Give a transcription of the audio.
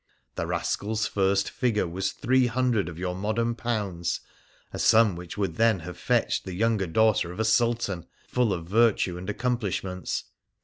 The rascal's first figure was three hundred of your modern pounds, a sum which would then have fetched the younger daughter of a sultan, full of virtue and accomplishments.